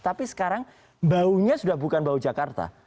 tapi sekarang baunya sudah bukan bau jakarta